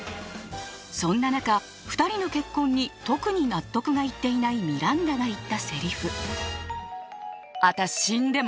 そんな中２人の結婚に特に納得がいっていないミランダが言ったセリフ。